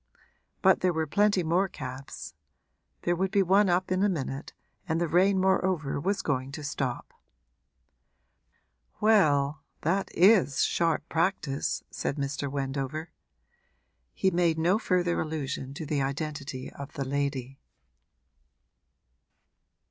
But there were plenty more cabs; there would be one up in a minute and the rain moreover was going to stop. 'Well, that is sharp practice!' said Mr. Wendover. He made no further allusion to the identity of the lady.